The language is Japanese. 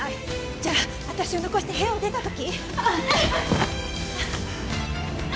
じゃあ私を残して部屋を出た時？